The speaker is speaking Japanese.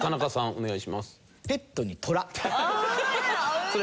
お願いします。